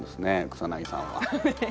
草さんは。